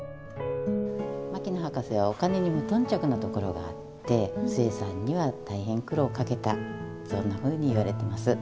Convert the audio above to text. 牧野博士はお金に無頓着なところがあって壽衛さんには大変苦労かけたそんなふうに言われてます。